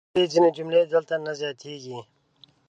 ولې ځینې جملې دلته نه زیاتیږي؟